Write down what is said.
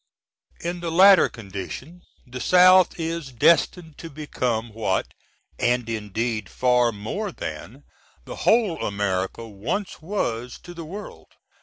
In the latter condition the South is destined to become what (& indeed far more than) the whole America once was to the world.